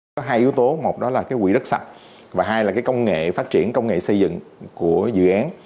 có hai yếu tố một đó là cái quỹ đất sạch và hai là cái công nghệ phát triển công nghệ xây dựng của dự án